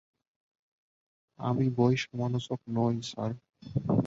আমি বই সমালোচক নই, স্যার।